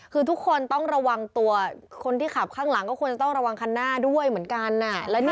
คือทุกคนต้องระวังตัวคนที่ขับข้างหลังก็ควรจะต้องระวังคันหน้าด้วยเหมือนกัน